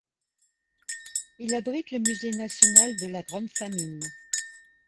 Il abrite le Musée national de la Grande famine.